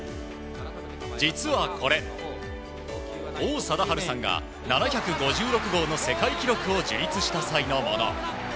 実はこれ王貞治さんが７５６号の世界記録を樹立した際のもの。